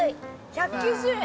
１９０円。